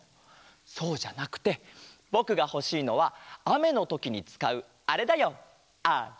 そうじゃなくてぼくがほしいのはあめのときにつかうあれだよあれ！